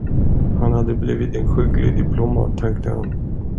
Hon hade blivit en skicklig diplomat, tänkte han.